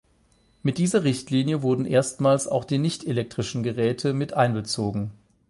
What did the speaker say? Mit dieser Richtlinie wurden erstmals auch die nicht-elektrischen Geräte mit einbezogen.